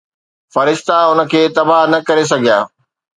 فرشتا ان کي تباهه نه ڪري سگهيا